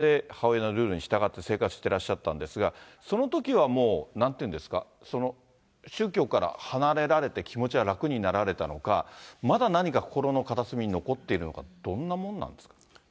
このあとも出てくるんですけれども、１９歳まで家を出るまで母親のルールに従って生活してらっしゃったんですが、そのときはもうなんていうんですか、宗教から離れられて、気持ちが楽になられたのか、まだ何か心の片隅に残っているのか、どんなもんなんですか。